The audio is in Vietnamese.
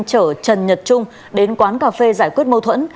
chở trần nhật trung đến quán cà phê giải quyết mâu thuẫn